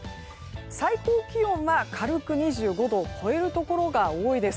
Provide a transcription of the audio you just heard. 最高気温は軽く２５度を超えるところが多いです。